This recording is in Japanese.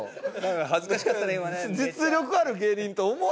恥ずかしかったね今ね。